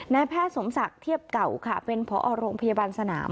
นายแพทย์สมศักดิ์เทียบเก่าค่ะเป็นพอโรงพยาบาลสนาม